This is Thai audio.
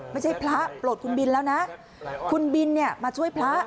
ไม่ใช่พระโปรดคุณบินแล้วนะคุณบินเนี่ยมาช่วยพระ